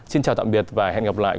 xin chào tạm biệt và hẹn gặp lại